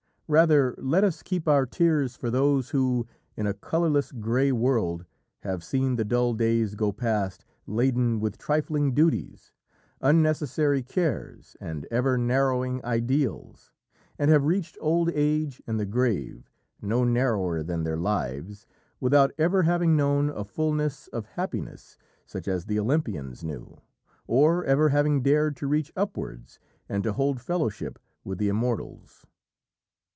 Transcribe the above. Rather let us keep our tears for those who, in a colourless grey world, have seen the dull days go past laden with trifling duties, unnecessary cares and ever narrowing ideals, and have reached old age and the grave no narrower than their lives without ever having known a fulness of happiness, such as the Olympians knew, or ever having dared to reach upwards and to hold fellowship with the Immortals.